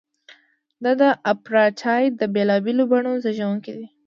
دا د اپارټایډ د بېلابېلو بڼو زیږوونکی دی.